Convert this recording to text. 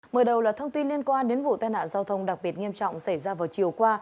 mở đầu là thông tin liên quan đến vụ tai nạn giao thông đặc biệt nghiêm trọng xảy ra vào chiều qua